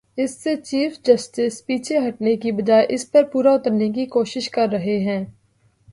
اس سے chief justice پیچھے ہٹنے کی بجائے اس پر پورا اترنے کی کوشش کر رہے ہیں۔